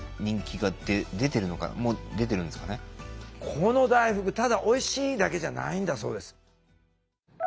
この大福ただおいしいだけじゃないんだそうです。